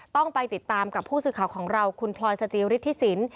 ต้องไปติดตามกับผู้สื่อข่าวของเราคุณพลอยสจิฤทธิสิน